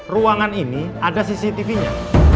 ruangan ini ada cctv nya